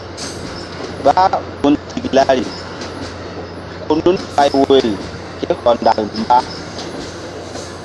Bah gun tiklari ko nun fay woyri ké hɔndal mba.